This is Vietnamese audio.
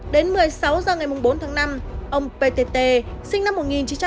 đến một mươi sáu h ngày mùng bốn tháng năm ông ptt sinh năm một nghìn chín trăm năm mươi bảy